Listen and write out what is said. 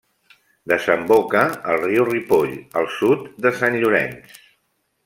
Desemboca al riu Ripoll al sud de Sant Llorenç.